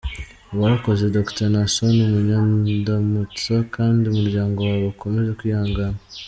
Warakoze Dr Naasson Munyandamutsa, kandi umuryango wawe ukomeze kwihangana.